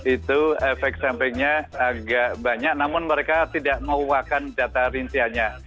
itu efek sampingnya agak banyak namun mereka tidak menguakkan data rinciannya